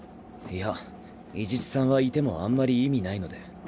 いや伊地知さんはいてもあんまり意味ないので。